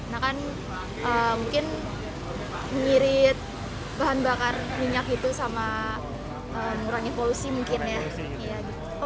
nah kan mungkin mirip bahan bakar minyak itu sama murahnya polisi mungkin ya